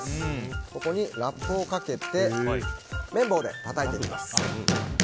ここにラップをかけて麺棒でたたいていきます。